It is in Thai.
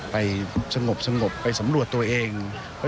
ไปสงบไปสำรวจตัวเอง